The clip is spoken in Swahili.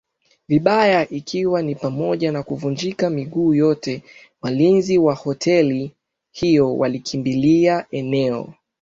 vibaya ikiwa ni pamoja na kuvunjika miguu yote Walinzi wa hoteli hiyo walikimbilia eneo